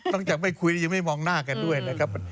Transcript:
จากไม่คุยยังไม่มองหน้ากันด้วยนะครับ